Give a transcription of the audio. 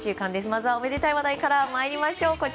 まずはおめでたい話題からまいりましょう。